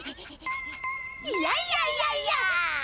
いやいやいやいや。